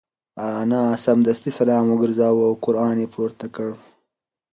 انا سمدستي سلام وگرځاوه او قران یې پورته کړ.